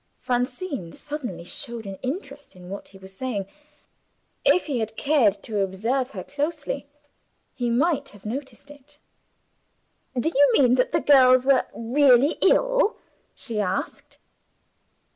Francine suddenly showed an interest in what he was saying. If he had cared to observe her closely, he might have noticed it. "Do you mean that the girls were really ill?" she asked.